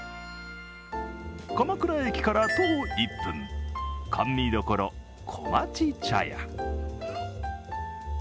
鎌倉駅から徒歩１分、甘味処こまち茶屋。